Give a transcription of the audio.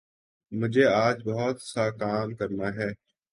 مجھے آج بہت سا کام کرنا ہے